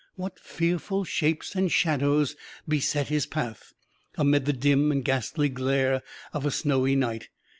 What fearful shapes and shadows beset his path, amid the dim and ghastly glare of a snowy night!